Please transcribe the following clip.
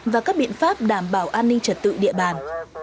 và các biện pháp đảm bảo an ninh trật tự địa bàn